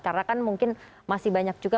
karena kan mungkin masih banyak juga